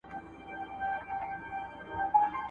خونه له شنو لوګیو ډکه ډېوه نه بلیږي